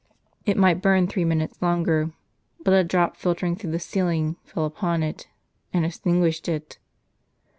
It might burn three minutes longer ; but a drop filtering through the ceiling, fell upon it, and extinguished it.